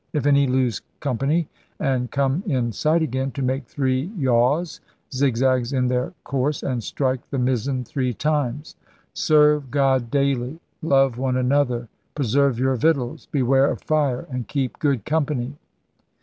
If any lose company and come in sight again, to make three yaws [zigzags in their course] and strike the mizzen three times, seevz GOD D ULY. LOVE OXE AXOTHEE. PRESEEVZ YOUR VICTUAI^. BEWAEE OF FIBE, AXD KEEP GOOD COMPANY.